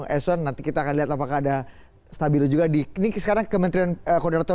eson nanti kita akan lihat apakah ada stabil juga di ini sekarang kementerian koordinator